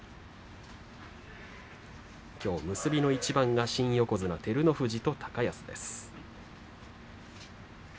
きょう結びの一番が新横綱照ノ富士と高安です。